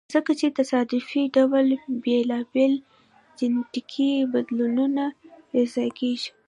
ځکه په تصادفي ډول بېلابېل جینټیکي بدلونونه یو ځای کیږي.